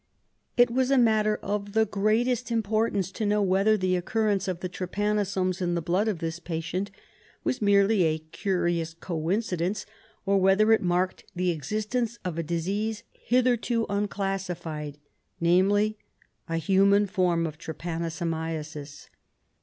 It was a matter of the greatest importance to know whether the occurrence of the trypanosomes in the blood of this patient was merely a curious coincidence, or whether it marked the existence of a disease hitherto unclassified, namely, a human form of trypanosomiasis.